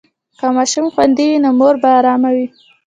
که ماشوم خوندي وي، نو مور به ارامه وي.